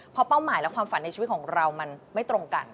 เพราะเป้าหมายและความฝันในชีวิตของเรามันไม่ตรงกัน